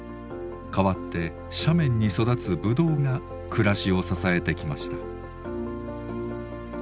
代わって斜面に育つぶどうが暮らしを支えてきました。